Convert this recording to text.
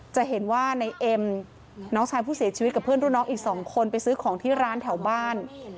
จะเห็นว่าในเอ็มน้องชายผู้เสียชีวิตกับเพื่อนรุ่นน้องอีก๒คนไปซื้อของที่ร้านแถวบ้าน